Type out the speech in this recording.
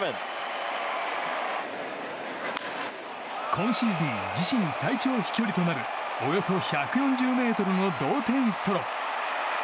今シーズン自身最長飛距離となるおよそ１４０ｍの同点ソロ。